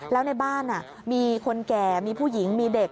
แล้วในบ้านมีคนแก่มีผู้หญิงมีเด็ก